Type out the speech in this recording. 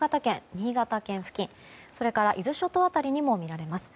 新潟県付近、それから伊豆諸島辺りにも見られます。